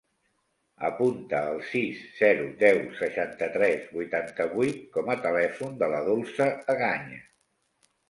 Apunta el sis, zero, deu, seixanta-tres, vuitanta-vuit com a telèfon de la Dolça Egaña.